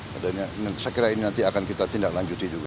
saya kira ini nanti akan kita tindak lanjuti juga